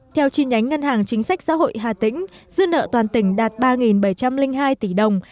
theo chi nhánh ngân hàng chính sách xã hội hà tĩnh dư nợ toàn tỉnh đạt ba bảy trăm linh hai tỷ đồng